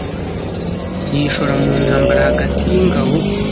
Yishora mu ntambara hagati yingabo